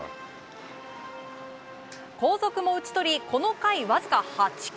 後続も打ち取りこの回わずか８球。